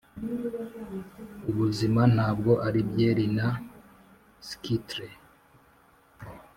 ubuzima ntabwo ari byeri na skittles